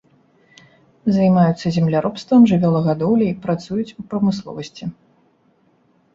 Займаюцца земляробствам, жывёлагадоўляй, працуюць у прамысловасці.